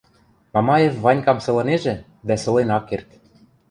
Мамаев Ванькам сылынежӹ, дӓ сылен ак керд.